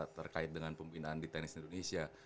terkait dengan pembinaan di tenis indonesia